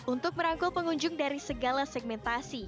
untuk merangkul pengunjung dari segala segmentasi